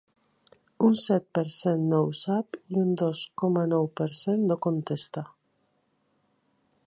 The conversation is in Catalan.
Un set per cent no ho sap i un dos coma nou per cent no contesta.